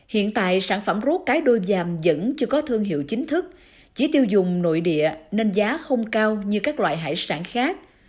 hiện tại sản phẩm rút cái đôi dàm vẫn chưa có thương hiệu chính thức chỉ tiêu dùng nội địa nên giá không cao như các loại hải sản khác